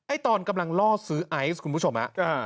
ตอนกำลังล่อซื้อไอซ์คุณผู้ชมฮะ